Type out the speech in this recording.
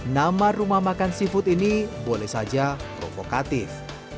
nama rumah makan seafood ini boleh saja provokatif